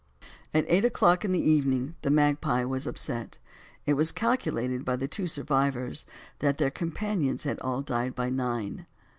At eight o'clock in the evening the Magpie was upset; it was calculated by the two survivors, that their companions had all died by nine.